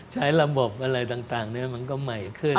ใช้ระบบอะไรต่างมันก็ใหม่ขึ้น